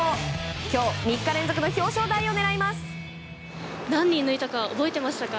今日、３日連続の表彰台を狙います。